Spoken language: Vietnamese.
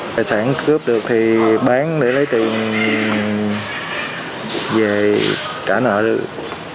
tài sản cướp được thì bán để lấy tiền về trả nợ được